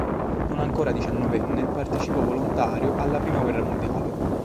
Non ancora diciannovenne partecipò volontario alla prima guerra mondiale.